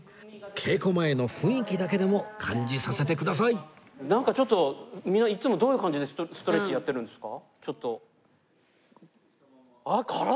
稽古前の雰囲気だけでも感じさせてくださいなんかちょっとみんないつもどういう感じでストレッチやってるんですか？